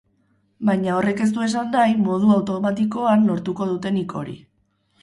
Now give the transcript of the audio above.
Baina horrek ez du esan nahi modu automatikoan lortuko duenik hori.